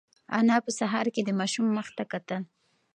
انا په سهار کې د ماشوم مخ ته کتل.